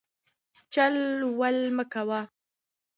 چل ول مه کوئ.